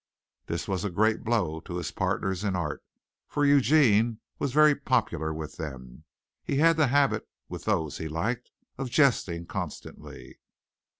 This was a great blow to his partners in art, for Eugene was very popular with them. He had the habit, with those he liked, of jesting constantly.